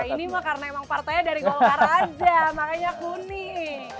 ini mah karena emang partainya dari golkar aja makanya kuning